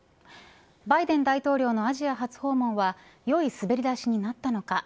バイデン大統領のアジア初訪問はよい滑り出しになったのか。